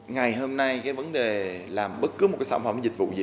ngày hôm nay cái vấn đề làm bất cứ một cái sản phẩm dịch vụ gì